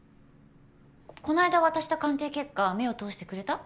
こないだ渡した鑑定結果目を通してくれた？